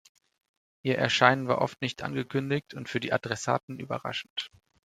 Ihr Erscheinen war oft nicht angekündigt und für die Adressaten überraschend.